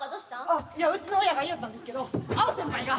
あいやうちの親が言いよったんですけどアオ先輩が。